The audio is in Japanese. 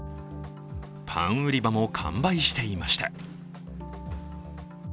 パン売り場も完売していました。